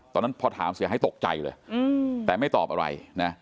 ตอนนั้นพอถามเสียหายตกใจเลยแต่ไม่ตอบอะไรนะ